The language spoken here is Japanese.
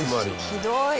ひどい！